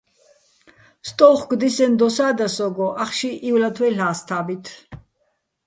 სტო́უხკო̆ დისენო̆ დოსა́ და სო́გო, ახში ივლათ ვაჲლ'ას თა́ბით.